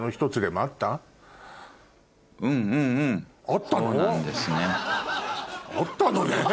あったのね